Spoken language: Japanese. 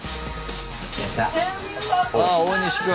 ああ大西君。